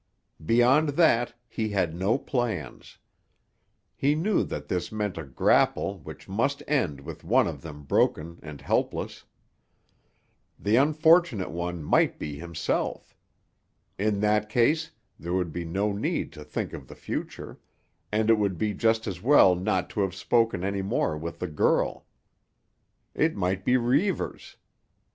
Beyond that he had no plans. He knew that this meant a grapple which must end with one of them broken and helpless. The unfortunate one might be himself. In that case there would be no need to think of the future, and it would be just as well not to have spoken any more with the girl. It might be Reivers.